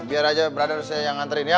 biar aja brother saya yang nganterin ya